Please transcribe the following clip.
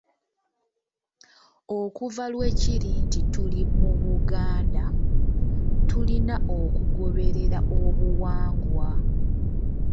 "Okuva lwe kiri nti tuli mu Buganda, tulina okugoberera obuwangwa."